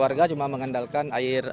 warga cuma mengandalkan air